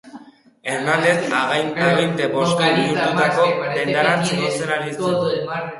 Hernandez aginte postu bihurtutako dendarantz igotzen ari zen.